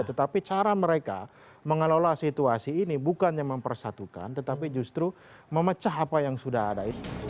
tetapi cara mereka mengelola situasi ini bukannya mempersatukan tetapi justru memecah apa yang sudah ada itu